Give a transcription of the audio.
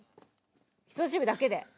人差し指だけで。